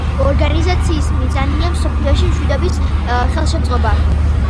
ორგანიზაციის მიზანია მსოფლიოში მშვიდობის ხელშეწყობა.